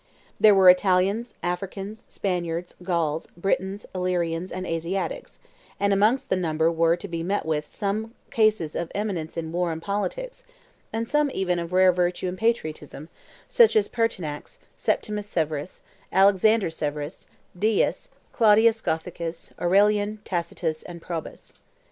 There were Italians, Africans, Spaniards, Gauls, Britons, Illyrians, and Asiatics; and amongst the number were to be met with some cases of eminence in war and politics, and some even of rare virtue and patriotism, such as Pertinax, Septimius Severus, Alexander Severus, Deeius, Claudius Gothicus, Aurelian, Tacitus, and Probus.